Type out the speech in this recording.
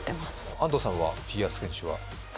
安藤さんはフィギュア選手は？